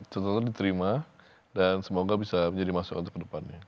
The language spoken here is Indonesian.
catatan diterima dan semoga bisa menjadi masalah untuk ke depannya